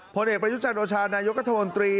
ผลเอกประยุทธ์จัดโดชานายกกัธมนตรี